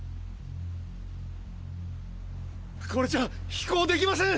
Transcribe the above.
これじゃ飛行できません！！